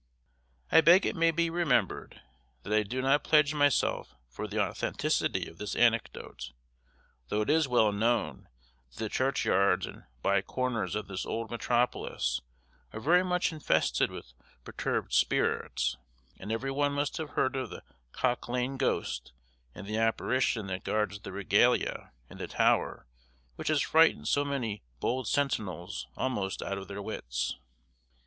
I beg it may be remembered, that I do not pledge myself for the authenticity of this anecdote, though it is well known that the churchyards and by corners of this old metropolis are very much infested with perturbed spirits; and every one must have heard of the Cock Lane ghost, and the apparition that guards the regalia in the Tower which has frightened so many bold sentinels almost out of their wits.